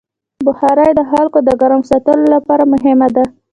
بخاري د خلکو د ګرم ساتلو لپاره مهمه ده.